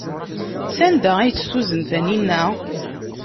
Sanda ay tt-tuzen Taninna?